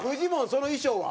その衣装は？